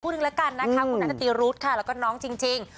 พูดหนึ่งแล้วกันนะครับคุณนัทธิรุทธ์ค่ะแล้วก็น้องจริง